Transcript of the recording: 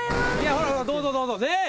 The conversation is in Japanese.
ほらほらどうぞどうぞ。